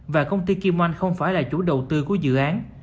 và công ty kim oanh không phải là chủ đầu tư của dự án